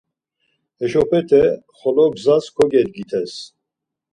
Heşopete xolo gzas kogedgites.